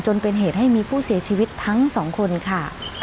จนเป็นเหตุให้มีผู้เสียชีวิตทั้งสองคนค่ะ